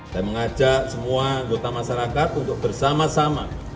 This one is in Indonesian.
saya mengajak semua anggota masyarakat untuk bersama sama